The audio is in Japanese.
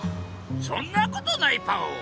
そんなことないパオ。